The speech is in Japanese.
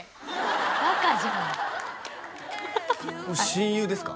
若じゃん親友ですか？